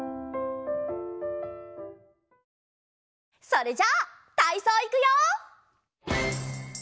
それじゃたいそういくよ！